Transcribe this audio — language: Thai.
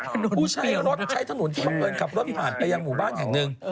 ผู้ใช้รถใช้ถนนที่บังเอิญขับรถผ่านไปยังหมู่บ้านแห่งหนึ่ง